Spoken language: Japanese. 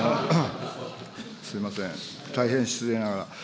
すみません、大変失礼ながら。